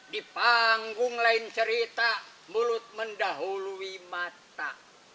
di panggung lain cerita mulut mendahului mata